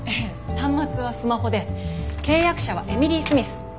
端末はスマホで契約者はエミリー・スミス。